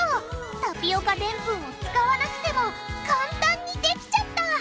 タピオカでんぷんを使わなくても簡単にできちゃった！